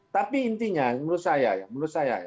tapi intinya menurut saya menurut saya ya